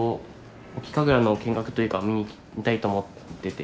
隠岐神楽の見学というか見たいと思ってて。